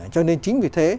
cho nên chính vì thế